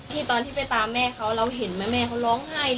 ตอนที่ไปตามแม่เขาเราเห็นไหมแม่เขาร้องไห้